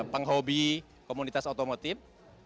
penghobi komunitas otomotif